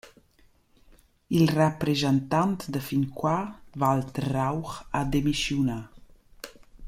Il rapreschantant da fin qua, Walter Rauch ha demischiunà.